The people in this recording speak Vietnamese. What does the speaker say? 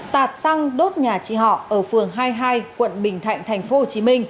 tạt xăng đốt nhà chị họ ở phường hai mươi hai quận bình thạnh tp hcm